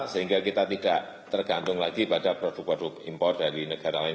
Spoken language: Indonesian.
sehingga kita tidak tergantung lagi pada produk produk impor dari negara lain